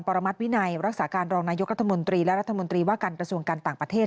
รมัติวินัยรักษาการรองนายกรัฐมนตรีและรัฐมนตรีว่าการกระทรวงการต่างประเทศ